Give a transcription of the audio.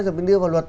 rồi mình đưa vào luật